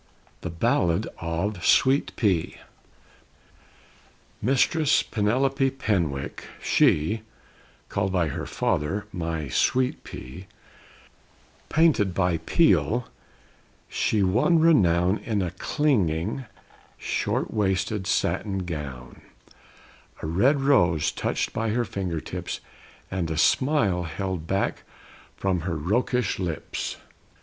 THE BALLAD OF SWEET P [December 25, 1776] Mistress Penelope Penwick, she, Called by her father, "My Sweet P," Painted by Peale, she won renown In a clinging, short waisted satin gown; A red rose touched by her finger tips And a smile held back from her roguish lips.